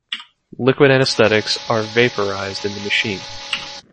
Liquid anaesthetics are vapourised in the machine.